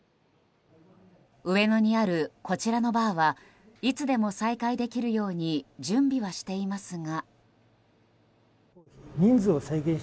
上野にあるこちらのバーはいつでも再開できるように準備はしていますが。